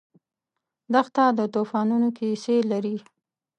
دښته د توفانونو کیسې لري.